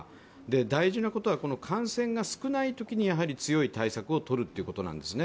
大事なことは感染が少ないときに強い対策をとるということなんですね。